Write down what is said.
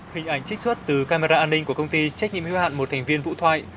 hình ảnh trích xuất từ camera an ninh của công ty trách nhiệm hiếu hạn một thành viên vũ thoại